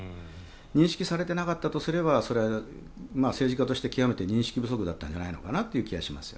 認識されていなかったとすればそれは政治家として極めて認識不足だったのではという気がします。